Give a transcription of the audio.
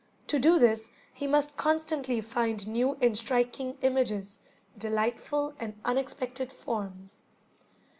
To do this he must constantly find new and striking images, delightful and unexpected forms.